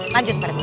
lanjut pak rete